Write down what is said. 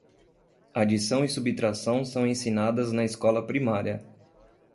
Adição e subtração são ensinadas na escola primária.